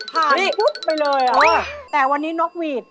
ผ่านกุ๊บไปเลยอะคือแต่วันนี้นกหวีด